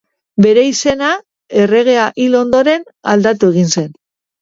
Bere izena, erregea hil ondoren, aldatu egin zen.